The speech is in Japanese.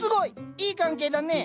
いい関係だね。